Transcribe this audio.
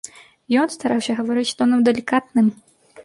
Ён стараўся гаварыць тонам далікатным.